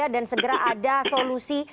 dan segera ada solusi